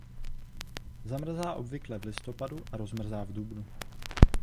Zamrzá obvykle v listopadu a rozmrzá v dubnu.